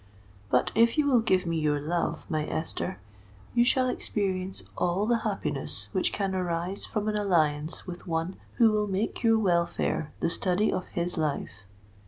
But if you will give me your love, my Esther, you shall experience all the happiness which can arise from an alliance with one who will make your welfare the study of his life.